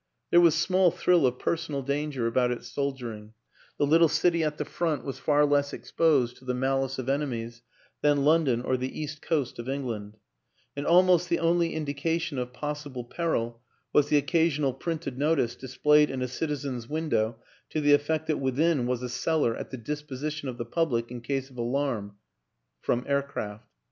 There was small thrill of personal danger about its soldiering; the little city at the " Front " was far less exposed to the malice of enemies than London or the East Coast of England: and almost the only indication of possible peril was the occasional printed notice displayed in a citizen's window to the effect that within was a cellar " at the disposition of the public in case of alarm " from aircraft.